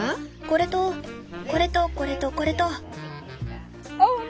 これとこれとこれとこれと。